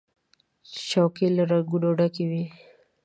چوکۍ له رنګونو ډکې وي.